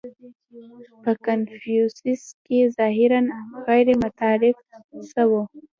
• په کنفوسیوس کې ظاهراً غیرمتعارف څه نهو.